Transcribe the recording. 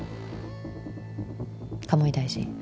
鴨井大臣